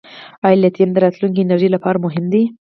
آیا لیتیم د راتلونکي انرژۍ لپاره مهم دی؟